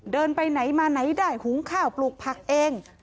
เดินไปไหนมาไหนได้หุงข้าวปลูกผักเอง